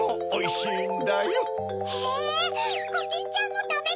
おいしい！